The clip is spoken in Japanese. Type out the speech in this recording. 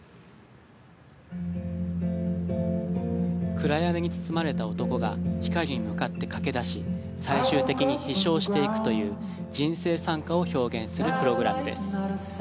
暗闇に包まれた男が光に向かって駆け出し最終的に飛翔していくという人生賛歌を表現するプログラムです。